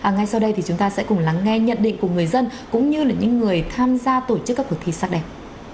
ngay sau đây thì chúng ta sẽ cùng lắng nghe nhận định của người dân cũng như là những người tham gia tổ chức các cuộc thi sắc đẹp